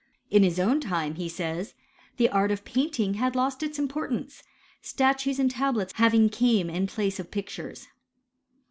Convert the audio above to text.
In his own time, he says, the art of painting had lost its importance, statues and tablets having came in place of pictures.